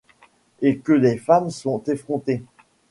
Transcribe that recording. Et que les femmes sont effrontées!